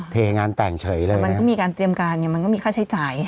เทงานแต่งเฉยเลยมันก็มีการเตรียมการไงมันก็มีค่าใช้จ่าย